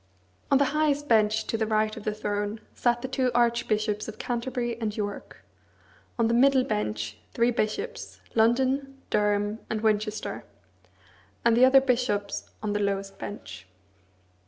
On the highest bench to the right of the throne sat the two archbishops of Canterbury and York; on the middle bench three bishops, London, Durham, and Winchester, and the other bishops on the lowest bench.